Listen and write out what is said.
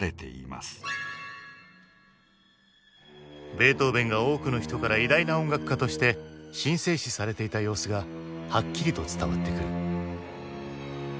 ベートーヴェンが多くの人から偉大な音楽家として神聖視されていた様子がはっきりと伝わってくる。